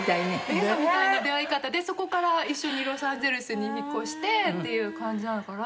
映画みたいな出会い方でそこから一緒にロサンゼルスに引っ越してっていう感じなのかな。